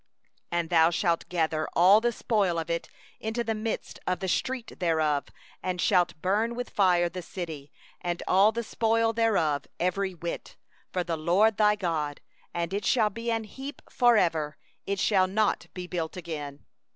17And thou shalt gather all the spoil of it into the midst of the broad place thereof, and shall burn with fire the city, and all the spoil thereof every whit, unto the LORD thy God; and it shall be a heap for ever; it shall not be built again.